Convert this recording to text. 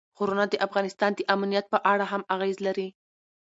غرونه د افغانستان د امنیت په اړه هم اغېز لري.